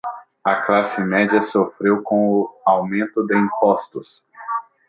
A classe média sofreu com o aumento de impostos